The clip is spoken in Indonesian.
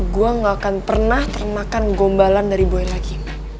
gue gak akan pernah termakan gombalan dari boy lagi